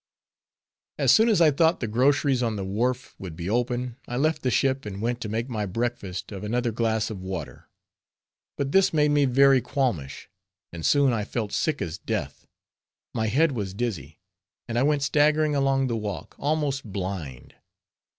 As soon as I thought the groceries on the wharf would be open I left the ship and went to make my breakfast of another glass of water. But this made me very qualmish; and soon I felt sick as death; my head was dizzy; and I went staggering along the walk, almost blind.